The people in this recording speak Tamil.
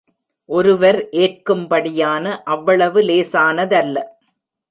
ஒருவர் ஏற்கும்படியான அவ்வளவு லேசானதல்ல.